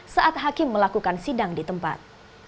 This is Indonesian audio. saat hakim melakukan sidang di tempat